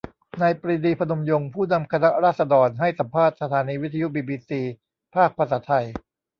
นายปรีดี พนมยงค์ ผู้นำคณะราษฎรให้สัมภาษณ์สถานีวิทยุบีบีซี ภาคภาษาไทย